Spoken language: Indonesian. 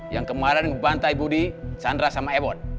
yang kemarin ngebantai budi sandra sama ebon